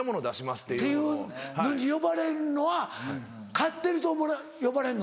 っていうのに呼ばれるのは買ってると呼ばれんの？